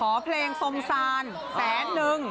โอ้เฮ้อขอเพลงซมแซนแสนหนึ่ง